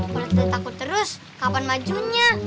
kalau kita takut terus kapan majunya